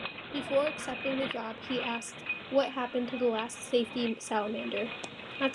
Before accepting the job he asks What happened to the last Safety Salamander?